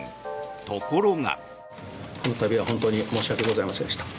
ところが。